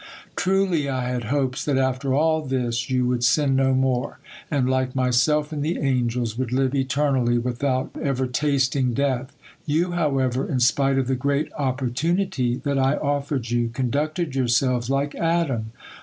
Truly I had hopes that after all this you would sin no more, and like Myself and the angels would live eternally, without ever tasting death. You, however, in spite of the great opportunity that I offered you, conducted yourselves like Adam.